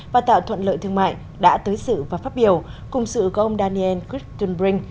và tạo thuận lợi thương mại đã tới sự và phát biểu cùng sự của ông daniel christenbrink